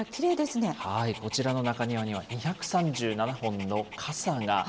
こちらの中庭には、２３７本の傘が。